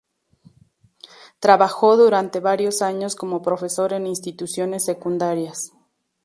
Trabajó durante varios años como profesor en instituciones secundarias.